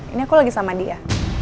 ini aku lagi sama dia